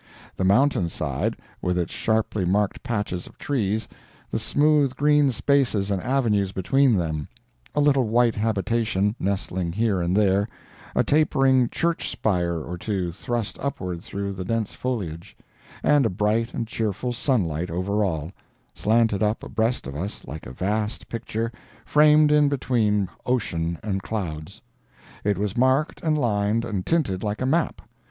The mountain side, with its sharply marked patches of trees; the smooth green spaces and avenues between them; a little white habitation nestling here and there; a tapering church spire or two thrust upward through the dense foliage; and a bright and cheerful sunlight over all—slanted up abreast of us like a vast picture, framed in between ocean and clouds. It was marked and lined and tinted like a map.